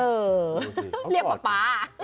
เรียกป๊า